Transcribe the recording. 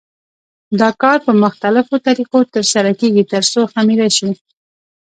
دا کار په مختلفو طریقو تر سره کېږي ترڅو خمېره شي.